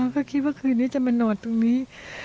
ก็คิดว่าคืนนี้จะมานอนตรงนี้